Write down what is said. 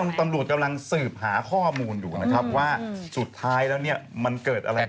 ตอนนี้ตำรวจกำลังสืบหาข้อมูลอยู่นะครับสุดท้ายแล้วมันเกิดอะไรขึ้น